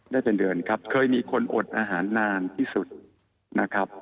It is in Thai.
ได้เป็นเดือนครับเคยมีคนอดอาหารนานที่สุดนะครับ